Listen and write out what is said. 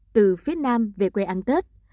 từ phía nam về quê ăn tết